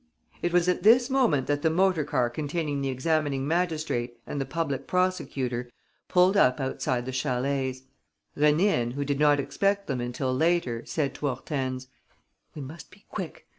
It was at this moment that the motor car containing the examining magistrate and the public prosecutor pulled up outside the chalets. Rénine, who did not expect them until later, said to Hortense: "We must be quick.